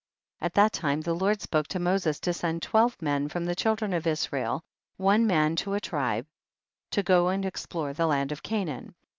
34. At that time, the Lord spoke to Moses to send twelve men from the children of Israel, one man to a tribe, to go and explore the land of Canaan.